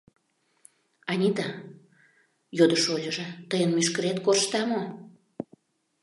— Анита, — йодо шольыжо, — тыйын мӱшкырет коршта мо?